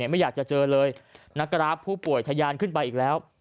ไม่อยากจะเจอเลยนักกราฟผู้ป่วยทะยานขึ้นไปอีกแล้ว